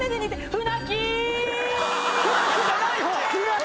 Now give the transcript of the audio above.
船木じゃない方！